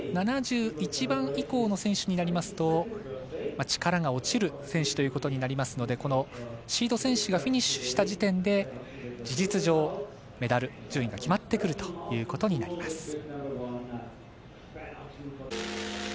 ７１番以降の選手になりますと力が落ちる選手となりますのでシード選手がフィニッシュした時点で事実上メダル、順位が決まってくることになります。